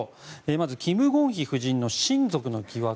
まずキム・ゴンヒ夫人の親族の疑惑